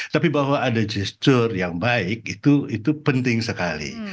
tapi bahwa ada gesture yang baik itu penting sekali